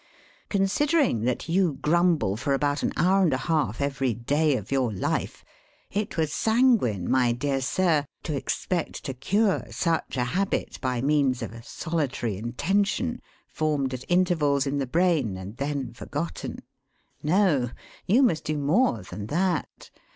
Considering that you grumble for about an hour and a half every day of your life, it was sanguine, my dear sir, to expect to cure such a habit by means of a solitary intention, formed at intervals in the brain and then forgotten. No! You must do more than that.